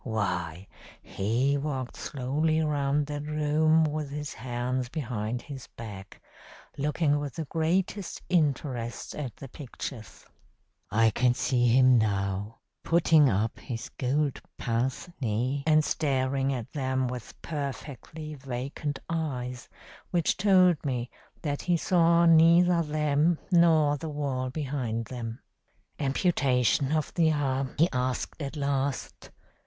Why, he walked slowly round that room with his hands behind his back, looking with the greatest interest at the pictures. I can see him now, putting up his gold pince nez and staring at them with perfectly vacant eyes, which told me that he saw neither them nor the wall behind them. 'Amputation of the arm?' he asked at last.